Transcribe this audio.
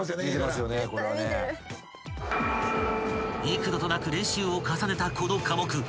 ［幾度となく練習を重ねたこの科目］